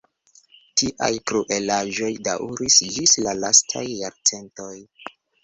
Tiaj kruelaĵoj daŭris ĝis la lastaj jarcentoj.